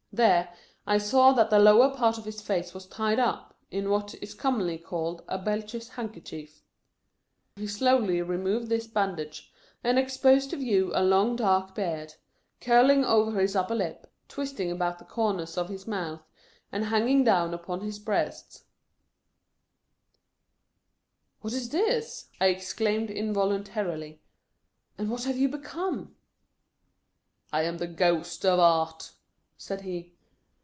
There, I saw that the lower part of his face was tied up, in what is commonly called a Belcher handkerchief. He slowly removed this bandage, and ex posed to view a long dark beard, curling over his upper lip, twisting about the corners of his mouth, and hanging down upon his breast. " What is this ?" I exclaimed involuntarily, " and what have you become 1 "" I am the Ghost of Art !" said he.